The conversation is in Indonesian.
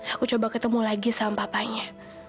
aku coba ketemu lagi sama papanya